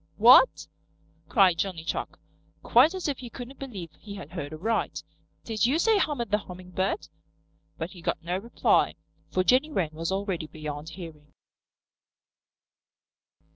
"What?" cried Johnny Chuck, quite as if he couldn't believe he had heard aright. "Did you say Hummer the Hummingbird?" But he got no reply, for Jenny Wren was already beyond hearing.